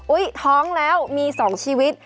ท้องแล้วมี๒ชีวิต